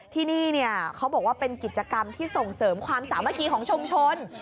ที่นี่เขาบอกว่าเป็นกิจกรรมที่ส่งเสริมความสามัคคีของชุมชน